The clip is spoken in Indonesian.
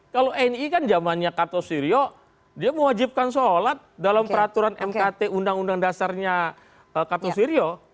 kalau nii kan zamannya kartos sirio dia mewajibkan sholat dalam peraturan mkt undang undang dasarnya kartos sirio